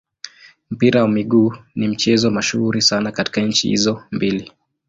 Mpira wa miguu ni mchezo mashuhuri sana katika nchi hizo mbili.